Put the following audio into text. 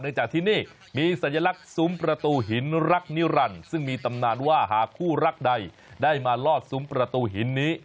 จากที่นี่มีสัญลักษณ์ซุ้มประตูหินรักนิรันดิ์ซึ่งมีตำนานว่าหากคู่รักใดได้มาลอดซุ้มประตูหินนี้